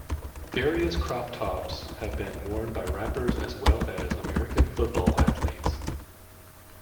Various crop tops have been worn by rappers as well as American Football athletes.